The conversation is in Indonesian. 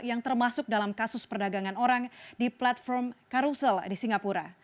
yang termasuk dalam kasus perdagangan orang di platform karussel di singapura